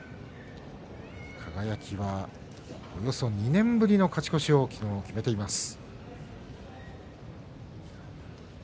輝は、およそ２年ぶりの勝ち越しを昨日決めています。